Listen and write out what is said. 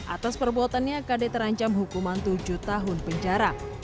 atas perbuatannya kd terancam hukuman tujuh tahun penjara